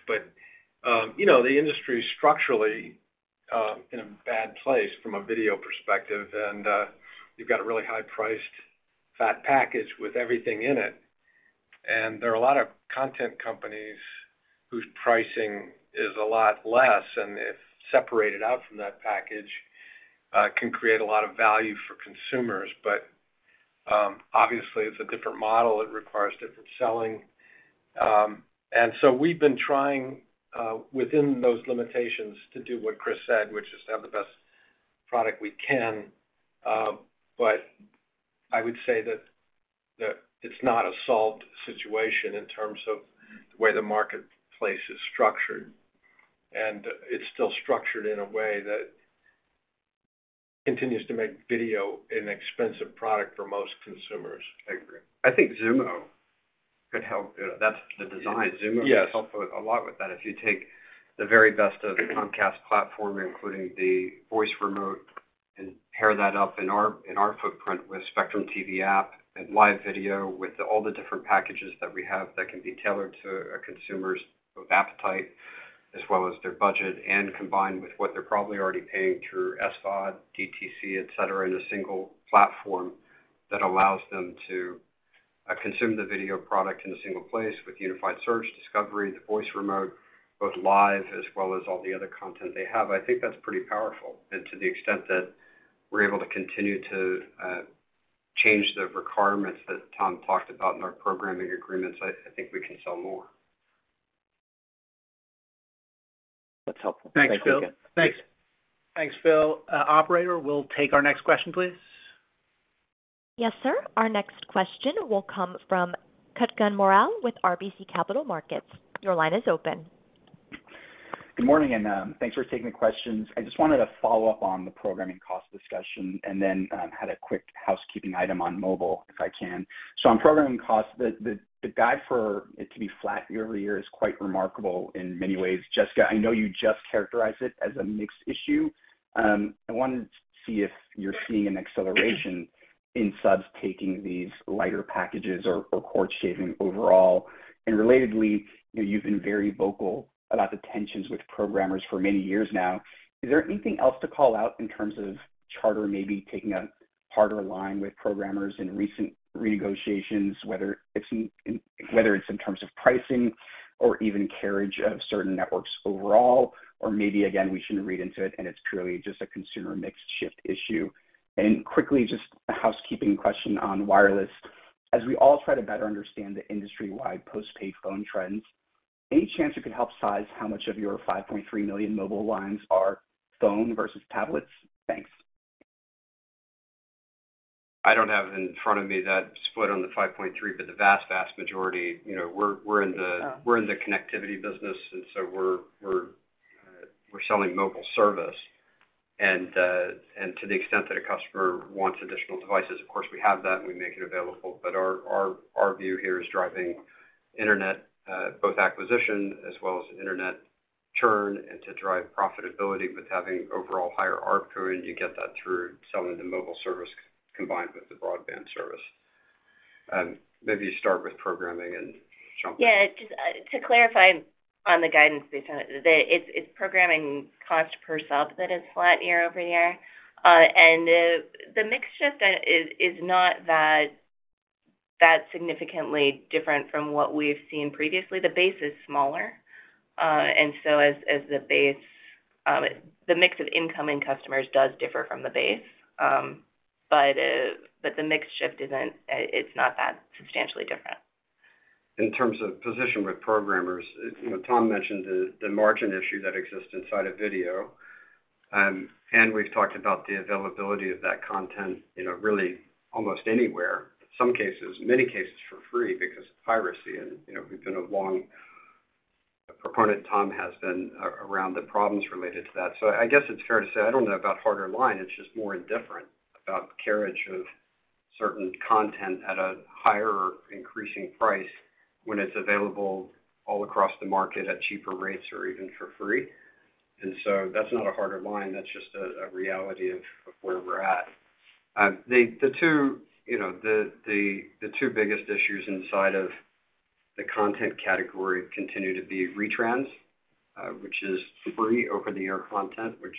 Obviously, it's a different model. It requires different selling. We've been trying, within those limitations to do what Chris said, which is to have the best product we can. I would say that it's not a solved situation in terms of the way the marketplace is structured. It's still structured in a way that continues to make video an expensive product for most consumers. I agree. I think Xumo could help. That's the design. Yes. Xumo could help a lot with that. If you take the very best of the Comcast platform, including the voice remote, and pair that up in our footprint with Spectrum TV app and live video with all the different packages that we have that can be tailored to a consumer's appetite as well as their budget, and combined with what they're probably already paying through SVOD, DTC, et cetera, in a single platform that allows them to consume the video product in a single place with unified search, discovery, the voice remote, both live as well as all the other content they have, I think that's pretty powerful. To the extent that we're able to continue to change the requirements that Tom talked about in our programming agreements, I think we can sell more. That's helpful. Thank you again. Thanks, Phil. Thanks, Phil. operator, we'll take our next question, please. Yes, sir. Our next question will come from Kutgun Maral with RBC Capital Markets. Your line is open. Good morning, thanks for taking the questions. I just wanted to follow up on the programming cost discussion and then had a quick housekeeping item on mobile, if I can. On programming costs, the guide for it to be flat year-over-year is quite remarkable in many ways. Jessica, I know you just characterized it as a mixed issue. I wanted to see if you're seeing an acceleration in subs taking these lighter packages or cord shaving overall. Relatedly, you've been very vocal about the tensions with programmers for many years now. Is there anything else to call out in terms of Charter maybe taking a harder line with programmers in recent renegotiations, whether it's in terms of pricing or even carriage of certain networks overall, or maybe, again, we shouldn't read into it and it's purely just a consumer mixed shift issue? Quickly, just a housekeeping question on wireless. As we all try to better understand the industry-wide postpaid phone trends, any chance you could help size how much of your 5.3 million mobile lines are phone versus tablets? Thanks. I don't have in front of me that split on the 5.3 million mobile lines, but the vast majority, you know, we're in the connectivity business, and so we're selling mobile service. To the extent that a customer wants additional devices, of course, we have that and we make it available. Our view here is driving internet, both acquisition as well as internet churn and to drive profitability with having overall higher ARPU, and you get that through selling the mobile service combined with the broadband service. Maybe start with programming and jump in. Yeah. Just to clarify on the guidance, it's programming cost per sub that is flat year-over-year. The mix shift is not that significantly different from what we've seen previously. The base is smaller, so as the base. The mix of incoming customers does differ from the base, but the mix shift isn't. It's not that substantially different. In terms of position with programmers, you know, Tom mentioned the margin issue that exists inside of video. We've talked about the availability of that content, you know, really almost anywhere, some cases, many cases for free because of piracy. You know, we've been a long proponent, Tom has been, around the problems related to that. I guess it's fair to say I don't know about harder line. It's just more indifferent about the carriage of certain content at a higher increasing price when it's available all across the market at cheaper rates or even for free. That's not a harder line. That's just a reality of where we're at. The two, you know, the two biggest issues inside of the content category continue to be retrans, which is free over-the-air content, which,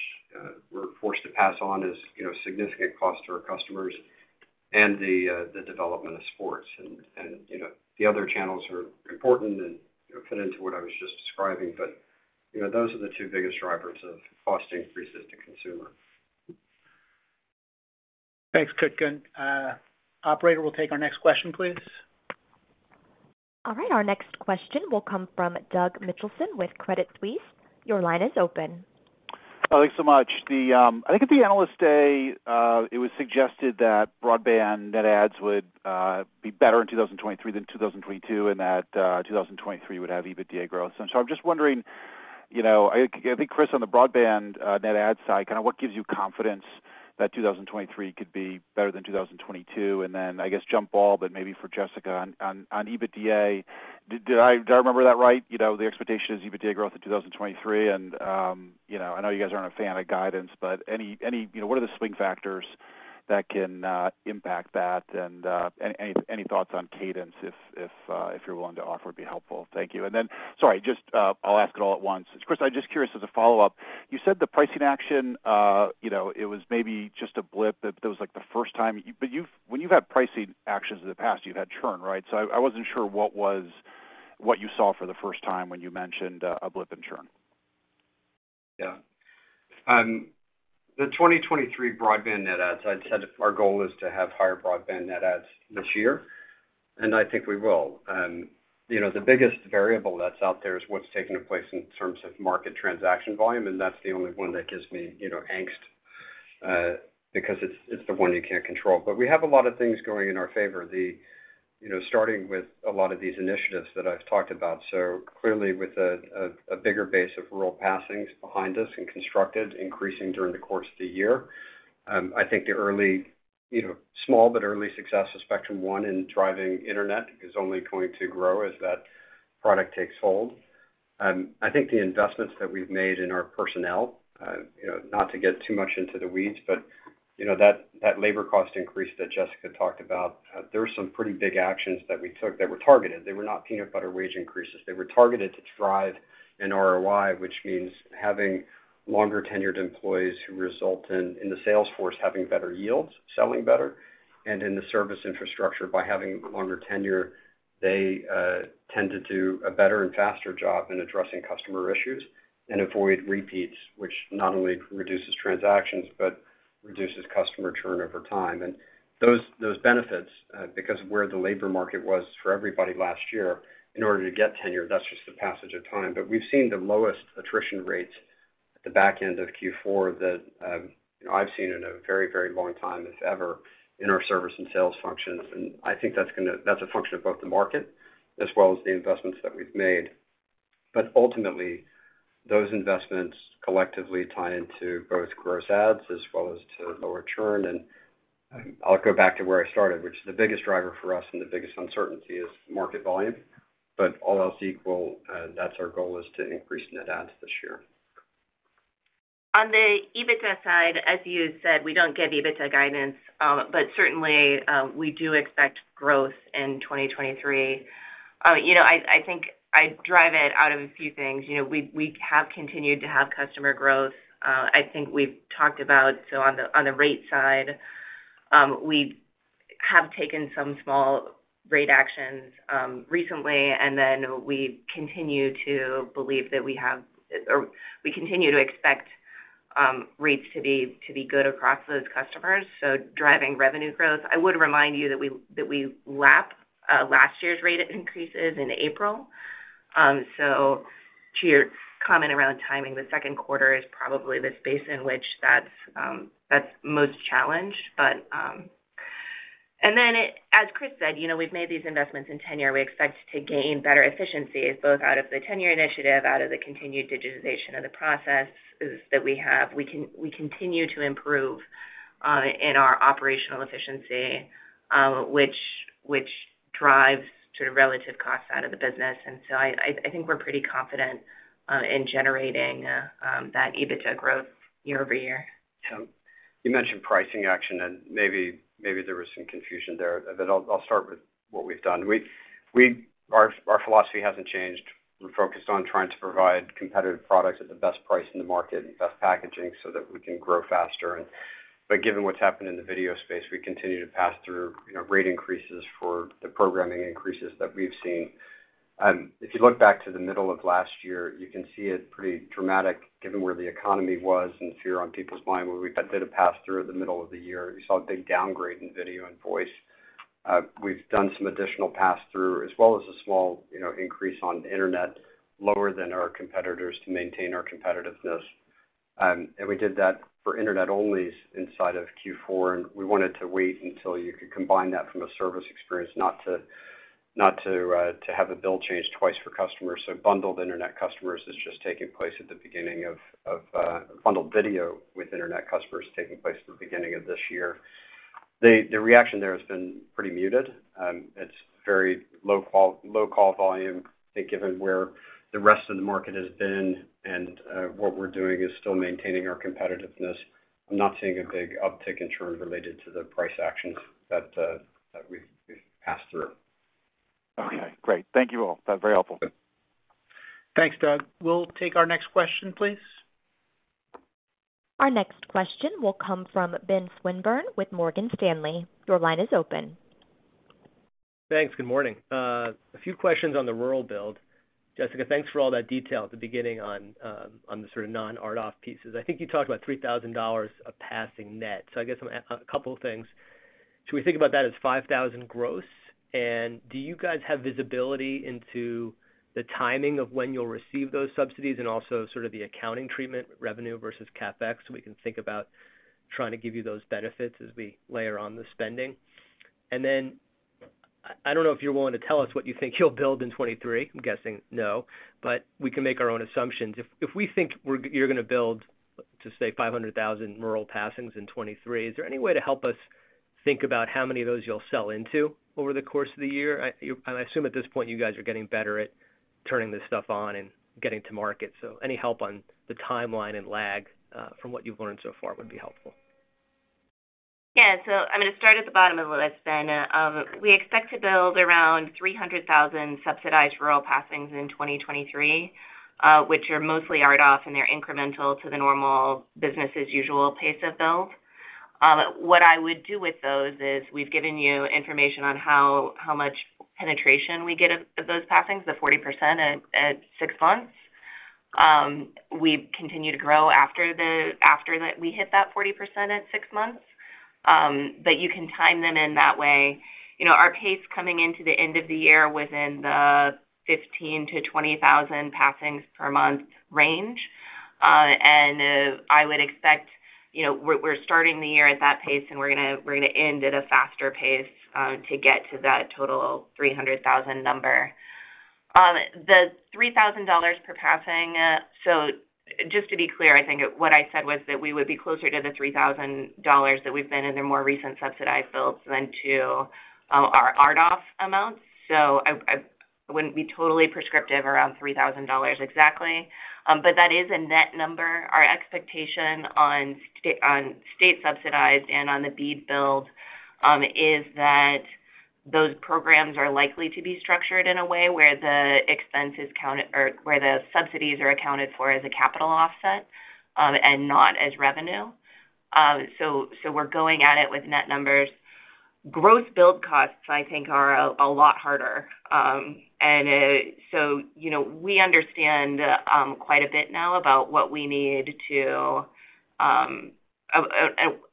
we're forced to pass on as, you know, significant cost to our customers, and the development of sports. The other channels are important and, you know, fit into what I was just describing, but, you know, those are the two biggest drivers of cost increases to consumer. Thanks, Kutgun. Operator, we'll take our next question, please. All right. Our next question will come from Douglas Mitchelson with Credit Suisse. Your line is open. Thanks so much. I think at the Analyst Day, it was suggested that broadband net adds would be better in 2023 than 2022, and that 2023 would have EBITDA growth. I'm just wondering, you know, I think, Chris, on the broadband net add side, kind of what gives you confidence that 2023 could be better than 2022? I guess jump ball, but maybe for Jessica on EBITDA. Did I remember that right? You know, the expectation is EBITDA growth in 2023. You know, I know you guys aren't a fan of guidance, but any, you know, what are the swing factors that can impact that? Any thoughts on cadence if you're willing to offer would be helpful. Thank you. Sorry, just, I'll ask it all at once. Chris, I'm just curious as a follow-up, you said the pricing action, you know, it was maybe just a blip. That was like the first time. When you've had pricing actions in the past, you've had churn, right? I wasn't sure what was what you saw for the first time when you mentioned, a blip in churn. Yeah. The 2023 broadband net adds, I'd said our goal is to have higher broadband net adds this year, and I think we will. You know, the biggest variable that's out there is what's taking place in terms of market transaction volume, and that's the only one that gives me, you know, angst, because it's the one you can't control. We have a lot of things going in our favor. The, you know, starting with a lot of these initiatives that I've talked about. Clearly, with a bigger base of rural passings behind us and constructed increasing during the course of the year, I think the early, you know, small but early success of Spectrum One in driving internet is only going to grow as that product takes hold. I think the investments that we've made in our personnel, you know, not to get too much into the weeds, but, you know, that labor cost increase that Jessica talked about, there are some pretty big actions that we took that were targeted. They were not peanut butter wage increases. They were targeted to drive an ROI, which means having longer-tenured employees who result in the sales force having better yields, selling better, and in the service infrastructure, by having longer tenure, they tend to do a better and faster job in addressing customer issues and avoid repeats, which not only reduces transactions, but reduces customer churn over time. Those benefits, because of where the labor market was for everybody last year, in order to get tenure, that's just the passage of time. We've seen the lowest attrition rates at the back end of Q4 that, you know, I've seen in a very, very long time, if ever, in our service and sales functions. I think that's a function of both the market as well as the investments that we've made. Ultimately, those investments collectively tie into both gross adds as well as to lower churn. I'll go back to where I started, which the biggest driver for us and the biggest uncertainty is market volume. All else equal, that's our goal is to increase net adds this year. On the EBITDA side, as you said, we don't give EBITDA guidance, certainly, we do expect growth in 2023. You know, I think I derive it out of a few things. You know, we have continued to have customer growth. I think we've talked about, so on the, on the rate side, we have taken some small rate actions recently, and then we continue to believe that we have, or we continue to expect, rates to be, to be good across those customers, so driving revenue growth. I would remind you that we, that we lap last year's rate increases in April. To your comment around timing, the second quarter is probably the space in which that's most challenged. As Chris said, you know, we've made these investments in tenure. We expect to gain better efficiencies, both out of the tenure initiative, out of the continued digitization of the processes that we have. We continue to improve in our operational efficiency, which drives sort of relative cost out of the business. I think we're pretty confident in generating that EBITDA growth year-over-year. You mentioned pricing action, and maybe there was some confusion there. I'll start with what we've done. Our philosophy hasn't changed. We're focused on trying to provide competitive products at the best price in the market and best packaging so that we can grow faster. Given what's happened in the video space, we continue to pass through, you know, rate increases for the programming increases that we've seen. If you look back to the middle of last year, you can see it pretty dramatic given where the economy was and fear on people's mind when we did a pass-through in the middle of the year. You saw a big downgrade in video and voice. We've done some additional pass-through, as well as a small, you know, increase on internet, lower than our competitors to maintain our competitiveness. We did that for internet onlys inside of Q4, and we wanted to wait until you could combine that from a service experience, not to, not to have a bill change twice for customers. Bundled internet customers is just taking place at the beginning of bundled video with internet customers taking place at the beginning of this year. The reaction there has been pretty muted. It's very low call volume, I think, given where the rest of the market has been and what we're doing is still maintaining our competitiveness. I'm not seeing a big uptick in churn related to the price actions that we've passed through. Okay, great. Thank you all. That was very helpful. Thanks, Douglas. We'll take our next question, please. Our next question will come from Benjamin Swinburne with Morgan Stanley. Your line is open. Thanks. Good morning. A few questions on the rural build. Jessica, thanks for all that detail at the beginning on the sort of non-RDOF pieces. I think you talked about $3,000 a passing net. I guess a couple things. Do you guys have visibility into the timing of when you'll receive those subsidies and also sort of the accounting treatment, revenue versus CapEx, so we can think about trying to give you those benefits as we layer on the spending? I don't know if you're willing to tell us what you think you'll build in 2023. I'm guessing no, but we can make our own assumptions. If we think you're gonna build, just say, 500,000 rural passings in 2023, is there any way to help us think about how many of those you'll sell into over the course of the year? I assume at this point you guys are getting better at turning this stuff on and getting to market. Any help on the timeline and lag from what you've learned so far would be helpful. I'm gonna start at the bottom of the list then. We expect to build around 300,000 subsidized rural passings in 2023, which are mostly RDOF, and they're incremental to the normal business as usual pace of build. What I would do with those is we've given you information on how much penetration we get of those passings, the 40% at 6 months. We continue to grow after that we hit that 40% at six months. You can time them in that way. You know, our pace coming into the end of the year within the 15,000 passings-20,000 passings per month range. I would expect, you know, we're starting the year at that pace, and we're gonna end at a faster pace to get to that total 300,000 number. The $3,000 per passing, just to be clear, I think what I said was that we would be closer to the $3,000 that we've been in the more recent subsidized builds than to our RDOF amounts. I wouldn't be totally prescriptive around $3,000 exactly. That is a net number. Our expectation on state subsidized and on the BEAD build is that those programs are likely to be structured in a way where the expenses count or where the subsidies are accounted for as a capital offset, not as revenue. We're going at it with net numbers. Gross build costs, I think, are a lot harder. You know, we understand quite a bit now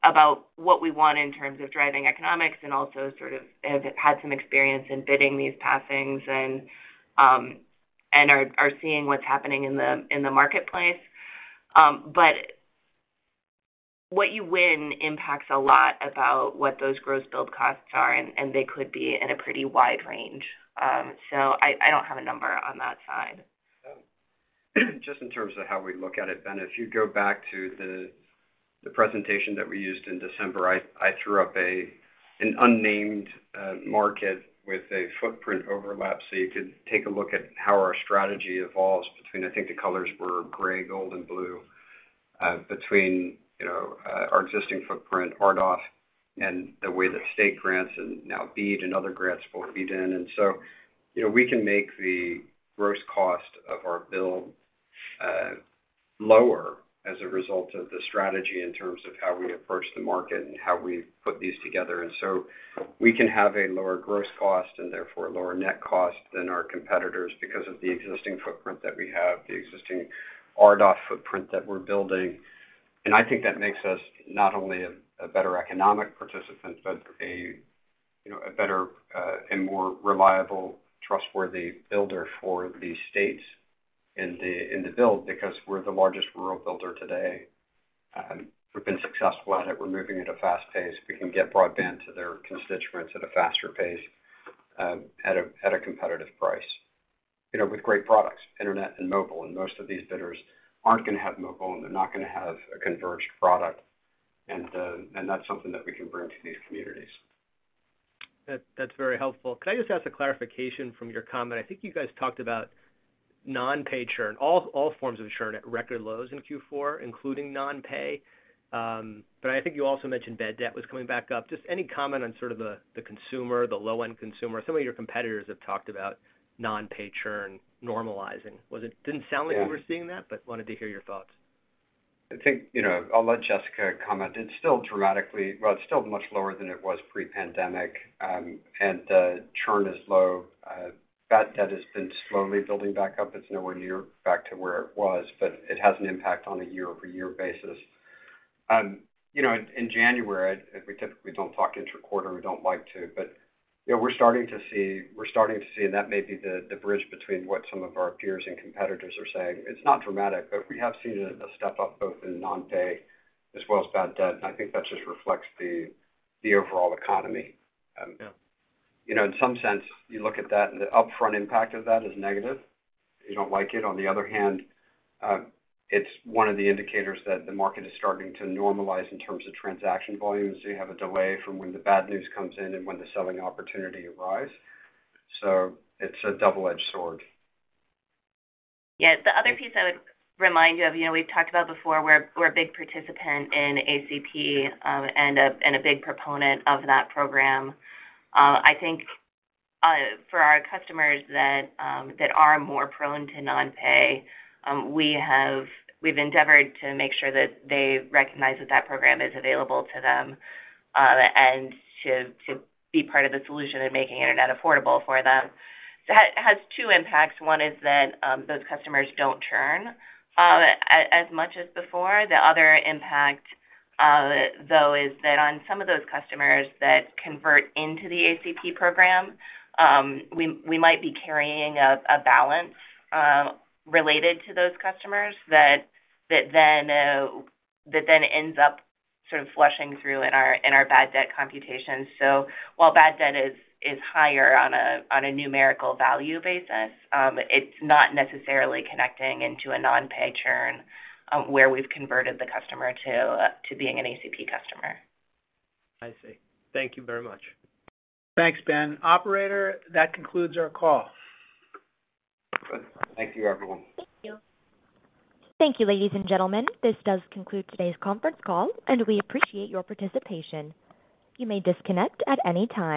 about what we want in terms of driving economics and also sort of have had some experience in bidding these passings and seeing what's happening in the marketplace. What you win impacts a lot about what those gross build costs are, and they could be in a pretty wide range. I don't have a number on that side. Just in terms of how we look at it, Ben, if you go back to the presentation that we used in December, I threw up an unnamed market with a footprint overlap, so you could take a look at how our strategy evolves between, I think the colors were gray, gold, and blue, between, you know, our existing footprint, RDOF, and the way that state grants and now BEAD and other grants both feed in. You know, we can make the gross cost of our build lower as a result of the strategy in terms of how we approach the market and how we put these together. We can have a lower gross cost and therefore a lower net cost than our competitors because of the existing footprint that we have, the existing RDOF footprint that we're building. I think that makes us not only a better economic participant, but a, you know, a better and more reliable, trustworthy builder for the states in the build because we're the largest rural builder today. We've been successful at it. We're moving at a fast pace. We can get broadband to their constituents at a faster pace, at a competitive price, you know, with great products, internet and mobile. Most of these bidders aren't gonna have mobile, and they're not gonna have a converged product. That's something that we can bring to these communities. That's very helpful. Could I just ask a clarification from your comment? I think you guys talked about non-pay churn, all forms of churn at record lows in Q4, including non-pay. I think you also mentioned bad debt was coming back up. Just any comment on sort of the consumer, the low-end consumer. Some of your competitors have talked about non-pay churn normalizing. Didn't sound like you were seeing that, but wanted to hear your thoughts. I think, you know, I'll let Jessica comment. It's still dramatically, well, it's still much lower than it was pre-pandemic. The churn is low. Bad debt has been slowly building back up. It's nowhere near back to where it was, but it has an impact on a year-over-year basis. You know, in January, we typically don't talk intraquarter. We don't like to. You know, we're starting to see, and that may be the bridge between what some of our peers and competitors are saying. It's not dramatic, but we have seen a step up both in non-pay as well as bad debt, and I think that just reflects the overall economy. You know, in some sense, you look at that and the upfront impact of that is negative. You don't like it. On the other hand, it's one of the indicators that the market is starting to normalize in terms of transaction volume. You have a delay from when the bad news comes in and when the selling opportunity arrives. It's a double-edged sword. The other piece I would remind you of, you know, we're a big participant in ACP, and a big proponent of that program. I think, for our customers that are more prone to non-pay, we've endeavored to make sure that they recognize that that program is available to them, and to be part of the solution in making internet affordable for them. That has two impacts. One is that those customers don't churn as much as before. The other impact, though, is that on some of those customers that convert into the ACP program, we might be carrying a balance related to those customers that then ends up sort of flushing through in our bad debt computations. While bad debt is higher on a numerical value basis, it's not necessarily connecting into a non-pay churn, where we've converted the customer to being an ACP customer. I see. Thank you very much. Thanks, Ben. Operator, that concludes our call. Good. Thank you, everyone. Thank you. Thank you, ladies and gentlemen. This does conclude today's conference call, and we appreciate your participation. You may disconnect at any time.